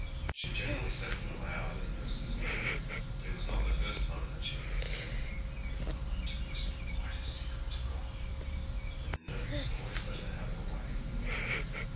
She generally said them aloud at nurse's knee, but it was not the first time that she had said, 'I want to whisper quite a secret to God'; and nurse always let her have her way.